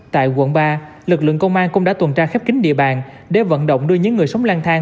tại quận ba lực lượng công an cũng đã tuần tra khép kính địa bàn để vận động đưa những người sống lang thang